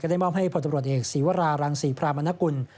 ได้มอบให้พลตำรวจเอกศีวรารังศรีพรามนกุล